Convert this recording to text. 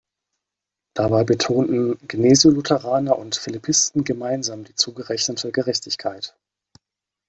Dabei betonten Gnesiolutheraner und Philippisten gemeinsam die „zugerechnete Gerechtigkeit“.